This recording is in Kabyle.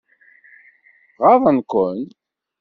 Ɣaḍen-ken?